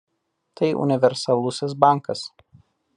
Tai universalusis bankas.